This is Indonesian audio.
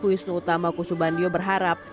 wisnu utama kusubandio berharap